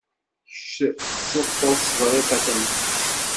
Kecc tettzuxxuḍ s Ḍrifa Tamlikect.